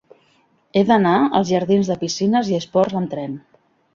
He d'anar als jardins de Piscines i Esports amb tren.